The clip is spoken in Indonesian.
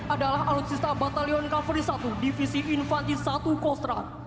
adalah alutsista batalion kavri satu divisi infantis satu kostrat